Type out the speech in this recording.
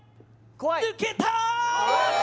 抜けたー！